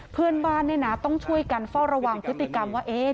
เพื่อนบ้านเนี่ยนะต้องช่วยกันเฝ้าระวังพฤติกรรมว่า